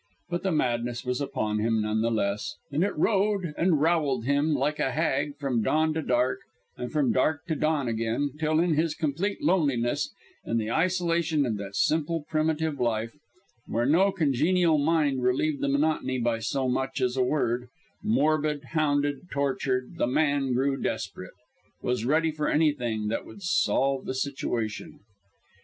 But the madness was upon him none the less, and it rode and roweled him like a hag from dawn to dark and from dark to dawn again, till in his complete loneliness, in the isolation of that simple, primitive life, where no congenial mind relieved the monotony by so much as a word, morbid, hounded, tortured, the man grew desperate was ready for anything that would solve the situation.